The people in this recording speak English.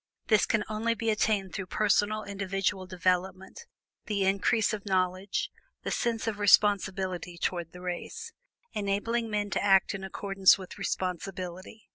This can only be attained through personal individual development, the increase of knowledge, the sense of responsibility toward the race, enabling men to act in accordance with responsibility.